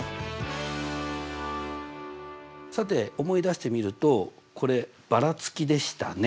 さて思い出してみるとこればらつきでしたね。